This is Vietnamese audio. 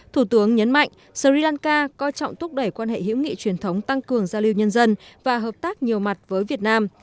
thủ tướng nhấn mạnh sri lanka coi trọng thúc đẩy quan hệ hữu nghị truyền thống tăng cường giao lưu nhân dân và hợp tác nhiều mặt với việt nam